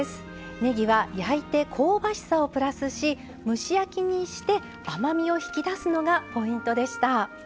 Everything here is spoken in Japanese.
ねぎは焼いて香ばしさをプラスし蒸し焼きにして甘みを引き出すのがポイントでした。